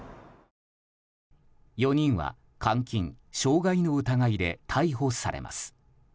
４人は監禁・傷害の疑いで逮捕されます。